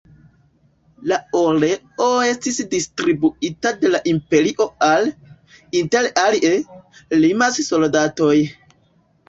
La oleo estis distribuita de la imperio al, inter alie, limaj soldatoj.